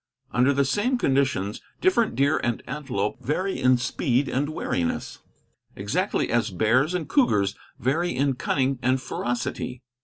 Under the same conditions different deer and antelope vary in speed and wariness, exactly as bears and cougars vary in cunning and ferocity.